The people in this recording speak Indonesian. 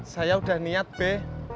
saya udah niat be